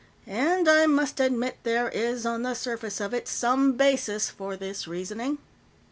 And, I must admit, there is, on the surface of it, some basis for this reasoning.